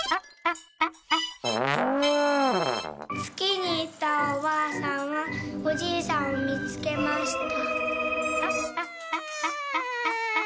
「つきにいったおばあさんはおじいさんをみつけました」。